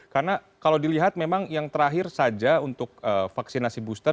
karena kalau dilihat memang yang terakhir saja untuk vaksinasi booster